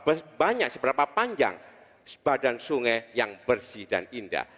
seberapa banyak seberapa panjang badan sungai yang bersih dan indah